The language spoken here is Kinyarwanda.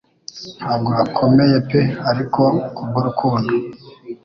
Ntabwo akomeye pe ariko kubwurukundo.